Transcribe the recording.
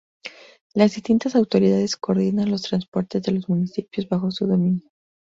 Las distintas autoridades coordinan los transportes de los municipios bajo su dominio.